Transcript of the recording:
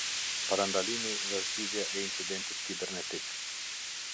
Parandalimi dhe zgjidhja e incidentit kibernetik.